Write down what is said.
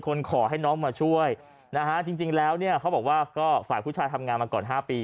ขอให้น้องมาช่วยนะฮะจริงแล้วเนี่ยเขาบอกว่าก็ฝ่ายผู้ชายทำงานมาก่อน๕ปี